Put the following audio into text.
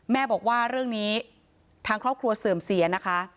แม่บอกว่าเรื่องนี้ทางครอบครัวเสื่อมเสียนะคะ